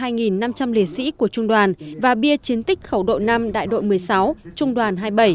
hai năm trăm linh liệt sĩ của trung đoàn và bia chiến tích khẩu độ năm đại đội một mươi sáu trung đoàn hai mươi bảy